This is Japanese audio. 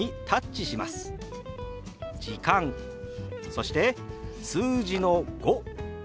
そして数字の「５」。